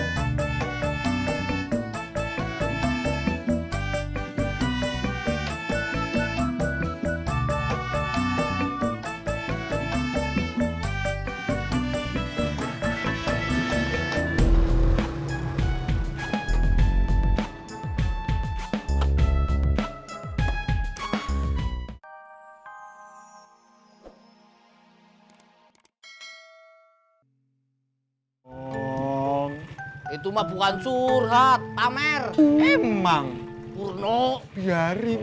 sampai jumpa di video selanjutnya